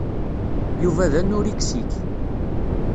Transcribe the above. Yuba d anuriksik.